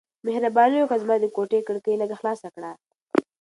مهرباني وکړه او زما د کوټې کړکۍ لږ خلاص کړه.